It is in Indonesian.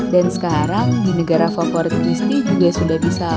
dan sekarang di negara favorit christy juga sudah bisa pake kris